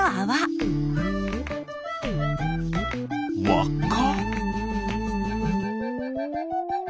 わっか？